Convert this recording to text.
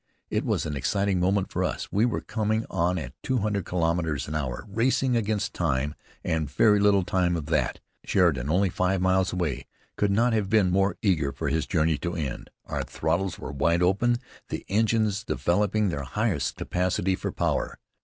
It was an exciting moment for us. We were coming on at two hundred kilometres an hour, racing against time and very little time at that. "Sheridan, only five miles away," could not have been more eager for his journey's end. Our throttles were wide open, the engines developing their highest capacity for power.